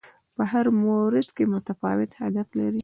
په هر مورد کې متفاوت هدف لري